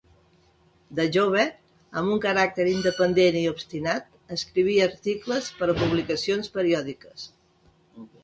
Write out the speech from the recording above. De jove, amb un caràcter independent i obstinat, escrivia articles per a publicacions periòdiques.